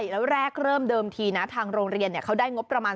แล้วแรกเริ่มเดิมทีนะทางโรงเรียนเขาได้งบประมาณ